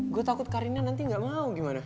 gue takut karina nanti gak mau gimana